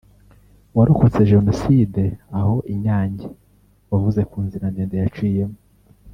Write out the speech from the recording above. warokotse Jenoside aho i Nyange wavuze ku nzira ndende yaciyemo